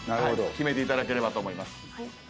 決めていただければと思います。